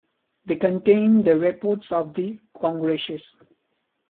They contain the reports of the congresses.